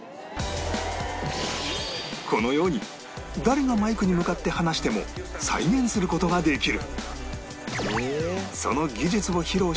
このように誰がマイクに向かって話しても再現する事ができる